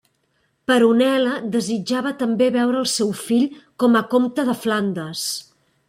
Peronella desitjava també veure el seu fill com a comte de Flandes.